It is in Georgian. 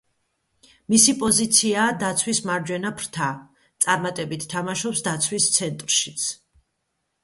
მისი პოზიციაა დაცვის მარჯვენა ფრთა, წარმატებით თამაშობს დაცვის ცენტრშიც.